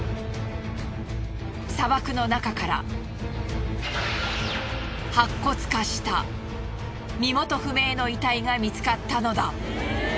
砂漠の中から白骨化した身元不明の遺体が見つかったのだ。